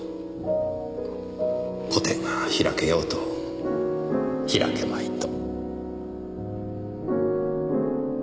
個展が開けようと開けまいと。